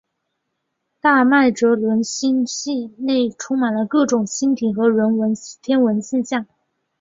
大麦哲伦星系内充满了各种星体和天文现象。